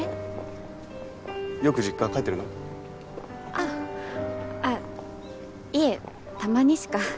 あああっいえたまにしか。